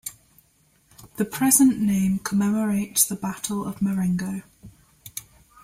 The present name commemorates the Battle of Marengo.